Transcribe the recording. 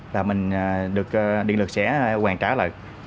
là mình được điện lực sẽ hoàn trả lời